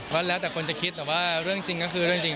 ก็แล้วแต่คนจะคิดแต่ว่าเรื่องจริงก็คือเรื่องจริง